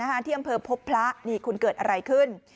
เหตุการณ์ที่อำเภอพบพระนี่คุณเกิดอะไรขึ้น